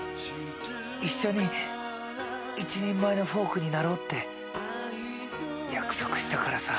一緒に一人前のフォークになろうって約束したからさ。